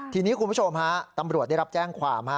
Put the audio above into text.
ทีนี้คุณผู้ชมฮะตำรวจได้รับแจ้งความ